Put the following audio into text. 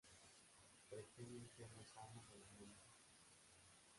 Pretenden ser los amos de la mente.